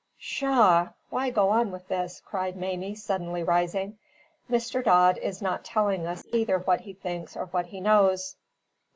"Pshaw! why go on with this?" cried Mamie, suddenly rising. "Mr. Dodd is not telling us either what he thinks or what he knows."